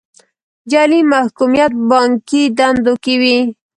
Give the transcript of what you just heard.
جعلي محکوميت بانکي دندو کې وي.